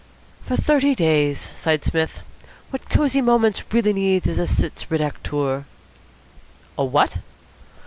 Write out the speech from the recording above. "For thirty days," sighed Psmith. "What Cosy Moments really needs is a sitz redacteur." "A what?"